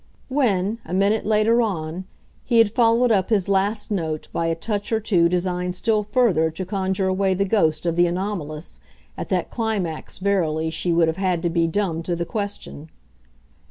When, a minute later on, he had followed up his last note by a touch or two designed still further to conjure away the ghost of the anomalous, at that climax verily she would have had to be dumb to the question.